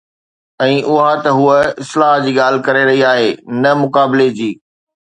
۽ اها ته هوءَ اصلاح جي ڳالهه ڪري رهي آهي، نه مقابلي جي.